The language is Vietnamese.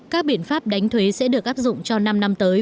các biện pháp đánh thuế sẽ được áp dụng cho năm năm tới